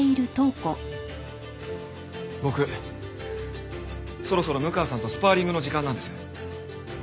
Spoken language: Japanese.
僕そろそろ六川さんとスパーリングの時間なんです。